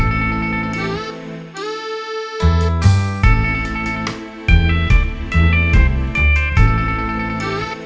สวรรค์หวัดอีก